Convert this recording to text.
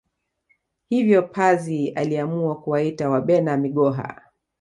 Hivyo pazi aliamua kuwaita Wabena Migoha